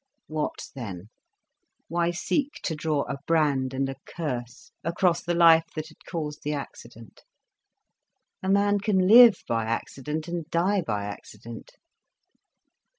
What then? Why seek to draw a brand and a curse across the life that had caused the accident? A man can live by accident, and die by accident.